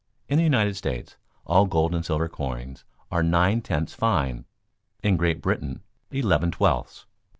In the United States all gold and silver coins are nine tenths fine; in Great Britain, eleven twelfths.